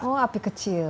oh api kecil